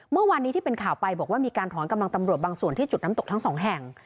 เมื่อวานนี้ที่เป็นข่าวไปบอกว่ามีการถอนกำลังตำรวจบางส่วนที่จุดน้ำตกทั้งสองแห่ง